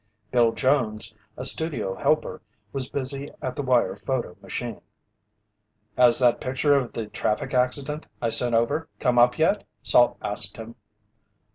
Bill Jones, a studio helper, was busy at the wire photo machine. "Has that picture of the traffic accident I sent over come up yet?" Salt asked him.